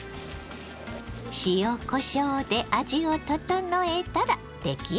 塩こしょうで味を調えたら出来上がり。